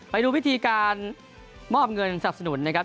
ไปดูวิธีการมอบเงินสนับสนุนนะครับ